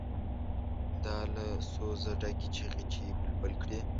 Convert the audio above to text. دا له سوزه ډکې چیغې چې بلبل کړي.